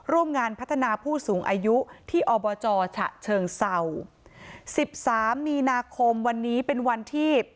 ร่วมงานพัฒนาผู้สูงอายุที่อบจฉะเชิงเศร้าสิบสามมีนาคมวันนี้เป็นวันที่